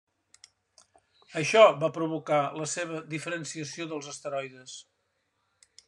Això va provocar la seva diferenciació dels asteroides.